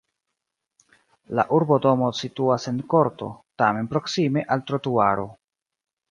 La urbodomo situas en korto, tamen proksime al trotuaro.